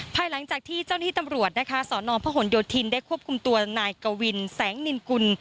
ภายหลังจากที่เจ้าหน้าที่ตำรวจนะคะสนพหนโยธินได้ควบคุมตัวนายกวินแสงนินกุล